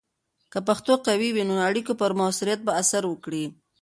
که پښتو قوي وي، نو د اړیکو پر مؤثریت به اثر وکړي.